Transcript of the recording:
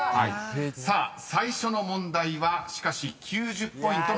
［さあ最初の問題はしかし９０ポイントの高得点です］